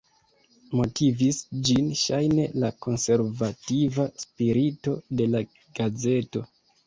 Motivis ĝin ŝajne la konservativa spirito de la gazeto.